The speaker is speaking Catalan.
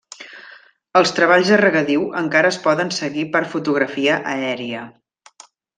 Els treballs de regadiu encara es poden seguir per fotografia aèria.